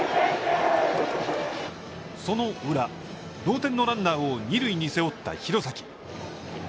その裏、同点のランナーを二塁に背負った廣崎。